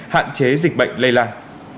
hạn chế dịch bệnh lây lan